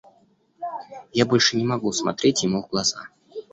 Я больше не мог смотреть ему в глаза.